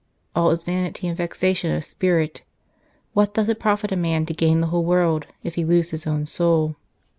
All is vanity and vexation of spirit. What doth it profit a man to gain the whole world, if he lose his own soul